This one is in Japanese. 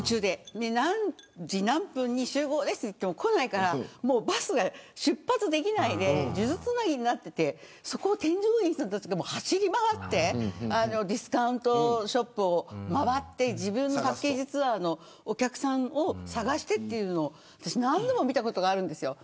何時何分に集合ですと言っても来ないからバスが出発できないで数珠つなぎになっていてそこを添乗員さんたちが走り回ってディスカウントショップを回って自分のパッケージツアーのお客さんを探してというのを私、何度も見たことあります。